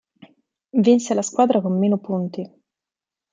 Vinse la squadra con meno punti.